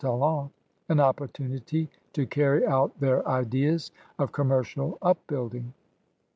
Talon, an opportunity to carry out their ideas of commercial upbuilding.